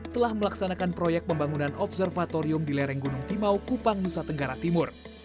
telah melaksanakan proyek pembangunan observatorium di lereng gunung timau kupang nusa tenggara timur